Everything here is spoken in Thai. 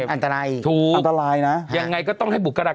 อันตรายถูกอันตรายนะยังไงก็ต้องให้บุคลากร